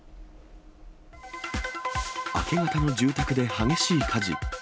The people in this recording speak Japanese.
明け方の住宅で激しい火事。